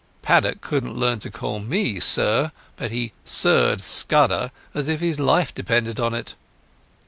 Paddock couldn't learn to call me "sir', but he "sirred' Scudder as if his life depended on it.